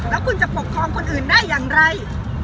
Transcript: แล้วคุณจะปกครองคนอื่นได้อย่างไร